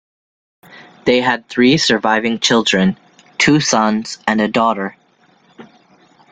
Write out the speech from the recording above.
They had three surviving children: two sons and a daughter.